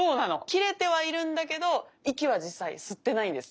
切れてはいるんだけど息は実際吸ってないんです。